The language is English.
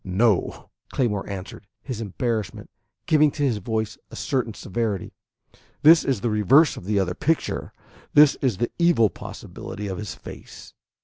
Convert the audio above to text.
"No," Claymore answered, his embarrassment giving to his voice a certain severity. "This is the reverse of the other picture. This is the evil possibility of his face."